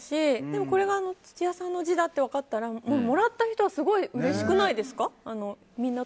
でも、これが土屋さんの字だって分かったらもらった人はすごいうれしくないですか？